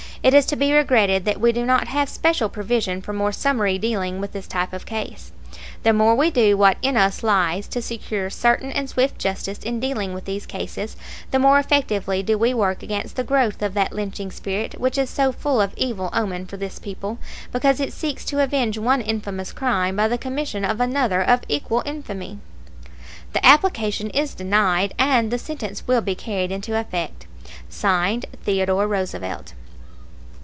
It is to be regretted that we do not have special provision for more summary dealing with this type of case. The more we do what in us lies to secure certain and swift justice in dealing with these cases, the more effectively do we work against the growth of that lynching spirit which is so full of evil omen for this people, because it seeks to avenge one infamous crime by the commission of another of equal infamy. The application is denied and the sentence will be carried into effect. (Signed) THEODORE ROOSEVELT.